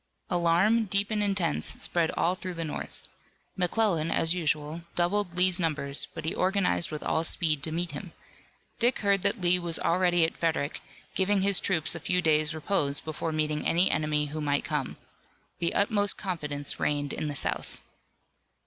Alarm, deep and intense, spread all through the North. McClellan, as usual, doubled Lee's numbers but he organized with all speed to meet him. Dick heard that Lee was already at Frederick, giving his troops a few days' repose before meeting any enemy who might come. The utmost confidence reigned in the South.